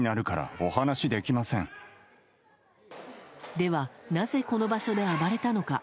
ではなぜこの場所で暴れたのか。